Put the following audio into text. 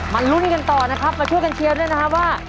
ลุ้นกันต่อนะครับมาช่วยกันเชียร์ด้วยนะครับว่า